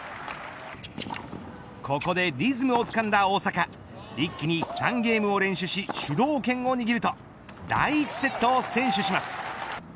ここでリズムをつかんだ大坂一気に３ゲームを連取し主導権を握ると第１セットを先取します。